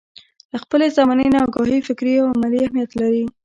له خپلې زمانې نه اګاهي فکري او عملي اهميت لري.